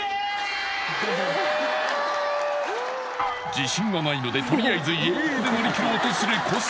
自信がないのでとりあえずイエイで乗り切ろうとする小杉